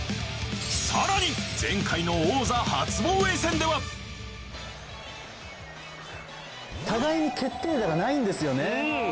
更に前回の王座初防衛戦では互いに決定打がないんですよね。